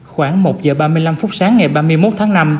khoảng một giờ ba mươi năm phút sáng ngày ba mươi một tháng năm